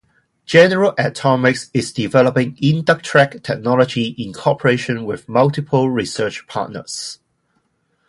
General Atomics is developing Inductrack technology in cooperation with multiple research partners.